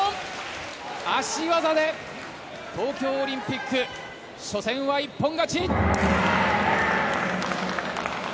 足技で東京オリンピック初戦は一本勝ち！